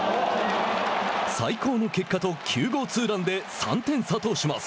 最高の結果と９号ツーランで３点差とします。